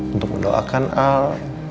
untuk mendoakan al